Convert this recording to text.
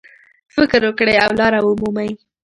فکر وکړئ او لاره ومومئ.